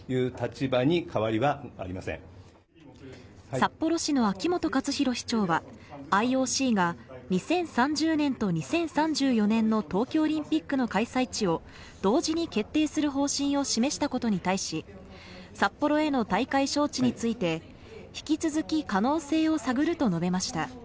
札幌市の秋元克広市長市長は、ＩＯＣが２０３０年と２０３４年の冬季オリンピックの開催地を同時に決定する方針を示したことに対し、札幌への大会招致について、引き続き可能性を探ると述べました。